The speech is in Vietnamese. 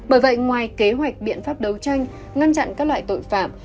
bởi vậy ngoài kế hoạch biện pháp đấu tranh ngăn chặn các loại tội phạm